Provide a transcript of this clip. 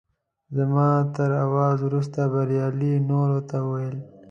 زما تر اواز وروسته بریالي نورو ته وویل.